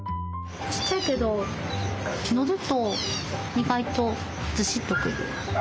ちっちゃいけどのると意外とずしっとくる。